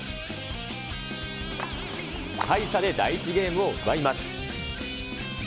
大差で第１ゲームを奪います。